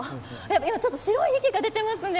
今ちょっと白い息が出ていますね